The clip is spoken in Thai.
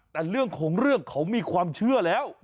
แต่เรื่องของเรื่องเขามีความเชื่อแล้ว